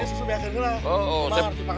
ya susu biarkan dulu lah